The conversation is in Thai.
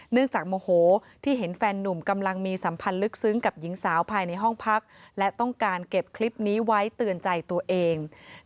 จากโมโหที่เห็นแฟนนุ่มกำลังมีสัมพันธ์ลึกซึ้งกับหญิงสาวภายในห้องพักและต้องการเก็บคลิปนี้ไว้เตือนใจตัวเอง